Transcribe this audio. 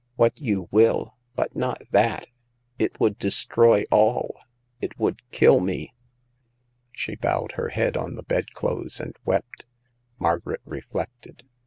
What you will, but not that ; it would destroy all ; it would kill me !" She bowed her head on the bed clothes and wept. Margaret reflected.